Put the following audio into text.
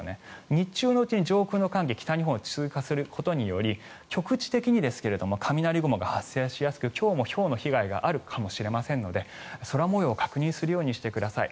日中のうちに上空の寒気が北日本を通過することにより局地的にですが雷雲が発生しやすく今日もひょうの被害があるかもしれませんので空模様を確認するようにしてください。